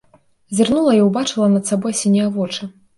Зірнула і ўбачыла над сабой сінія вочы.